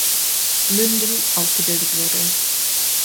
Münden, ausgebildet wurde.